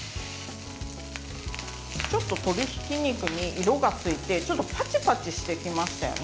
ちょっと鶏ひき肉に色がついてパチパチしてきましたよね。